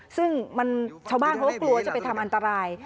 ซึ่งชาวบ้านเขาก็กลัวจะไปทำอันตราย